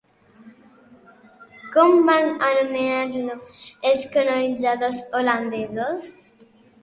Com van anomenar-lo els colonitzadors holandesos?